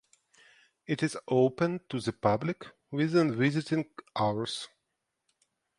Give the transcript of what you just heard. It is open to the public within visiting hours.